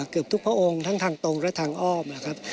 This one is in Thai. เกือบทุกพระองค์ทั้งทางตรงและทางอ้อมนะครับ